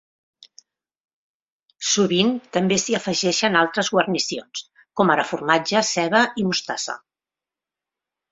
Sovint també s'hi afegeixen altres guarnicions, com ara formatge, ceba i mostassa.